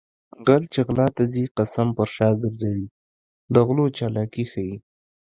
غل چې غلا ته ځي قسم پر شا ګرځوي د غلو چالاکي ښيي